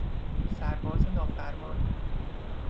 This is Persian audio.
سرباز نافرمان